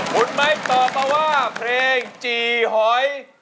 คุณไม้ตอบมาว่าเพลงจี่หอย